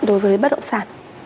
đối với bất động sản